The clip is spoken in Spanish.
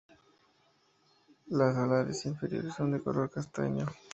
Las alares inferiores son de color castaño.